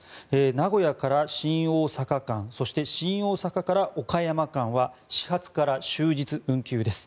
名古屋から新大阪間そして、新大阪から岡山間は始発から終日運休です。